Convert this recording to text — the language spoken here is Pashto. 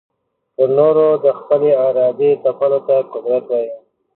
پر نورو د خپلي ارادې تپلو ته قدرت وايې.